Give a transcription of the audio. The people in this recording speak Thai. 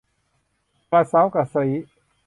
กระเซ้ากระซี้